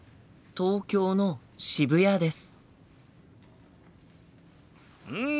「東京の渋谷です」。